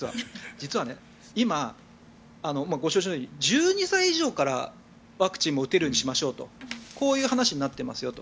実は今、ご承知のとおり１２歳以上からワクチンも打てるようにしましょうという話になってますよと。